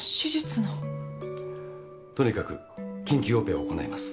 とにかく緊急オペを行います。